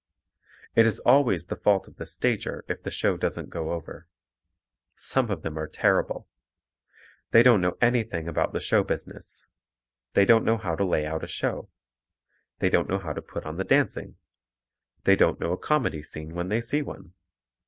It is always the fault of the stager if the show doesn't go over. Some of them are terrible. They don't know anything about the show business. They don't know how to lay out a show. They don't know how to put on the dancing. They don't know a comedy scene when they see one.